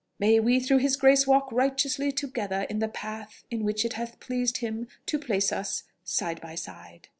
May we through His grace walk righteously together in the path in which it hath pleased Him to place us side by side!"